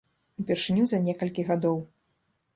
Упершыню за некалькі гадоў.